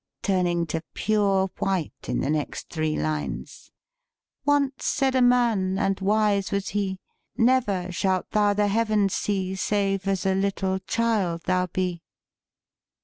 " turning to pure white in the next three lines :" Once said a Man and wise was He Never shalt thou the heavens see Save as a little child thou be."